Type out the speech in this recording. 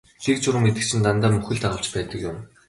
Дэг журам гэдэг чинь дандаа мөхөл дагуулж байдаг юм.